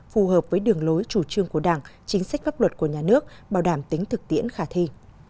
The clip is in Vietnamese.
phù hợp với đường lối chủ trương của đảng chính sách pháp luật của nhà nước bảo đảm tính thực tiễn khả thi